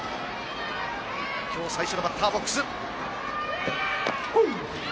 今日最初のバッターボックス。